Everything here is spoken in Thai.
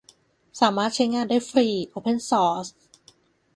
สามารถใช้งานได้ฟรี โอเพนซอร์ส